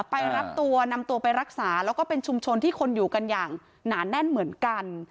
ไปรับตัวนำตัวไปรักษาแล้วก็เป็นชุมชนที่คนอยู่กันอย่างหนาแน่นเหมือนกัน